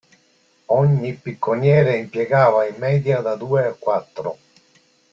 Ogni picconiere impiegava in media da due a quattro.